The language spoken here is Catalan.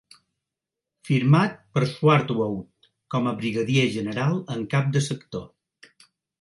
Firmat per Swartwout com a Brigadier General en Cap de Sector.